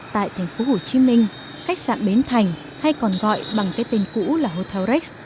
tại tp hcm khách sạn bến thành hay còn gọi bằng cái tên cũ là hotel rex